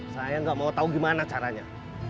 saya gak mau tau gimana caranya